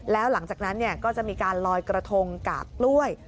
แล้วหลังจากนั้นก็จะมีการลอยกระทงกากกล้วย